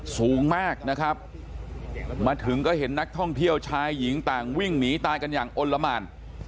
สูงมากนะครับมาถึงก็เห็นนักท่องเที่ยวชายหญิงต่างวิ่งหนีตายกันอย่างอ้นละหมาน